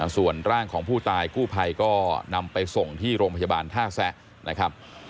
ส่วนร่างของผู้ตายกู้ภัยก็นำไปส่งที่โรงพยาบาลท่าแซะนะครับ